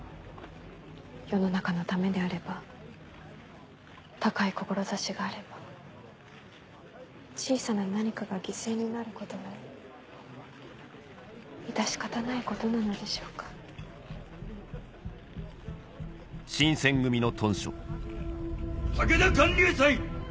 世の中のためであれば高い志があれば小さな何かが犠牲になることは致し方ないことなのでしょうか武田観柳斎。